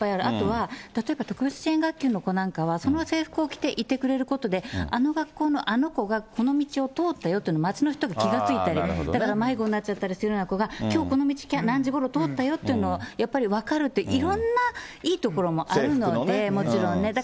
あとは例えば特別支援学級の子なんかは、その制服を着ていてくれることで、あの学校のあの子がこの道を通ったよっていうのを、町の人が気が付いたり、だから迷子になっちゃったりするような子が、きょうこの道、何時ごろ通ったよっていうのを、やっぱり分かるって、いろんないいところもあるので、もちろんね。